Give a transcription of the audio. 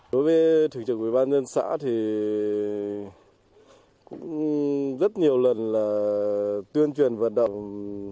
đối với thủy trưởng ubnd xã thì cũng rất nhiều lần là tuyên truyền vận động